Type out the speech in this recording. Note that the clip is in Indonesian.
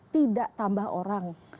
tidak tambah orang